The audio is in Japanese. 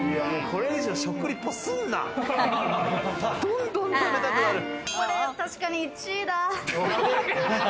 これ確かに１位だ。